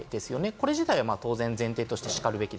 これ自体は当然、前提としてしかるべき。